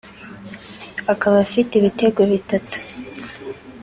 akaba afite ibitego bitatu